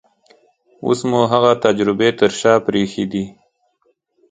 اوس مو هغه تجربې تر شا پرېښې دي.